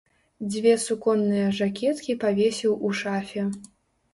Дзве суконныя жакеткі павесіў у шафе.